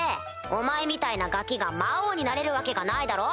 お前みたいなガキが魔王になれるわけがないだろ？